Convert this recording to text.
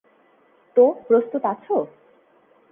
তো প্রস্তুত আছো?